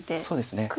そうですね。